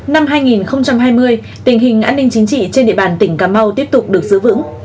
năm hai nghìn hai mươi tình hình an ninh chính trị trên địa bàn tỉnh cà mau tiếp tục được giữ vững